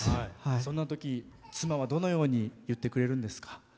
そんなとき妻はどのように言ってくれるんですか？